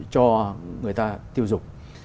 cho người ta tiêu dụng